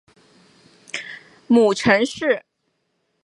母程氏。